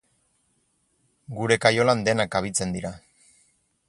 Gure kaiolan denak kabitzen dira.